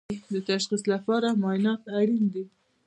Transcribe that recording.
د تشخیص لپاره معاینات اړین دي